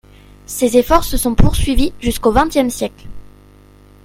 Ces efforts se sont poursuivis jusqu’au vingtième siècle.